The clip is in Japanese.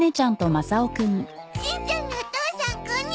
しんちゃんのお父さんこんにちは。